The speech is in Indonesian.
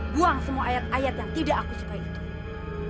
buang semua ayat ayat yang tidak aku suka itu